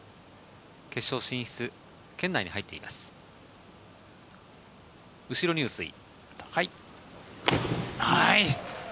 決勝進出圏内に入っています。